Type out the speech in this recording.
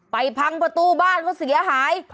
พังประตูบ้านเขาเสียหาย